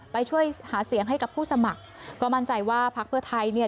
ไปช่วยหาเสียงให้กับผู้สมัครก็มั่นใจว่าพักเพื่อไทยเนี่ย